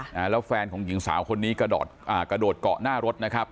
นะฮะแล้วแฟนของหญิงสาวคนนี้กระโดดอ่ากระโดดเกาะหน้ารถนะครับ